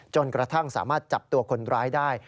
จนกระทั่งสามารถจับตัวคนร้ายได้